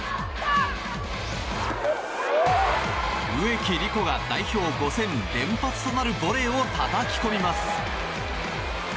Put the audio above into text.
植木理子が代表５戦連発となるボレーをたたき込みます。